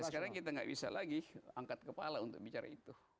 sekarang kita nggak bisa lagi angkat kepala untuk bicara itu